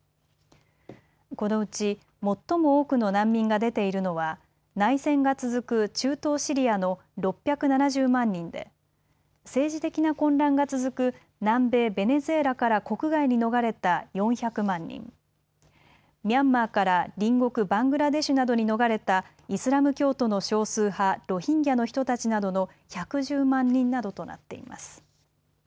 このうち最も多くの難民が出ているのは内戦が続く中東シリアの６７０万人で政治的な混乱が続く南米ベネズエラから国外に逃れた４００万人、ミャンマーから隣国バングラデシュなどに逃れたイスラム教徒の少数派、ロヒンギャの人たちなどの１１０万人などとなっています。